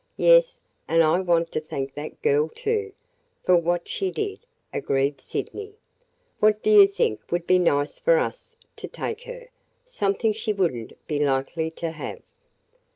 "Yes, and I want to thank that girl, too, for what she did," agreed Sydney. "What do you think would be nice for us to take her – something she would n't be likely to have?